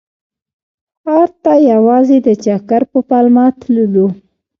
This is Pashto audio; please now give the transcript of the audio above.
ښار ته یوازې د چکر په پلمه تللو.